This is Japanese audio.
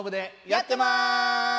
やってます！